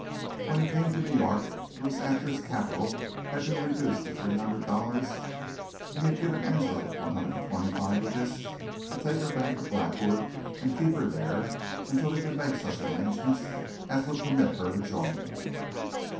When he came to New York it was after his capital had been reduced to three hundred dollars and he had given Angela one hundred and twenty five of this to take her back to Blackwood and keep her there until he could make such arrangements as would permit her to join him.